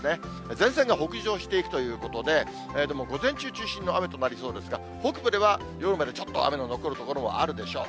前線が北上していくということで、でも午前中中心の雨となりそうですが、北部では夜までちょっと雨の残る所もあるでしょう。